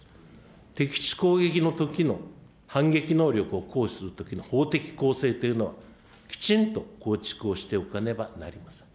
敵基地攻撃のときの反撃能力を行使するときの法的公正というのは、きちんと構築をしておかねばなりません。